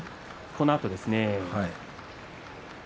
このあとですね。